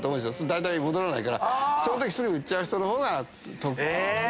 だいたい戻らないからそのときすぐ売っちゃう人の方が。